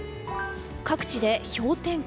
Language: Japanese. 各地で氷点下。